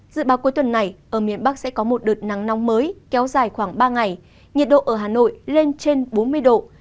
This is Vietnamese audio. dự báo cuối tuần này ở miền bắc sẽ có một đợt nắng nóng mới kéo dài khoảng ba ngày nhiệt độ ở hà nội lên trên bốn mươi độ